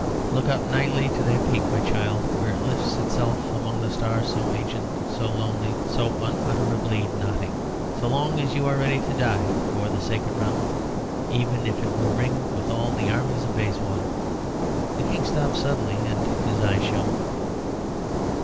Look up nightly to that peak, my child, where it lifts itself among the stars so ancient, so lonely, so unutterably Notting. So long as you are ready to die for the sacred mountain, even if it were ringed with all the armies of Bayswater " The King stopped suddenly, and his eyes shone.